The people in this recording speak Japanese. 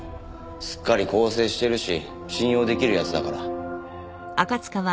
すっかり更生してるし信用できる奴だから。